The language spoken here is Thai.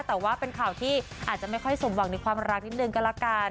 แต่ว่าเป็นข่าวที่อาจจะไม่ค่อยสมหวังในความรักนิดนึงก็ละกัน